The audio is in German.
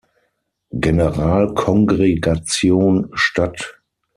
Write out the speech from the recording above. Generalkongregation statt.